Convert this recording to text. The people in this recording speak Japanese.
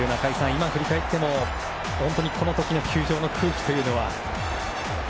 今振り返っても、本当にこの時の球場の空気というのは。